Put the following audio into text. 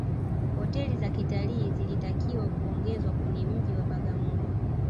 hoteli za kitalii zilitakiwa kuongezwa kwenye mji wa bagamoyo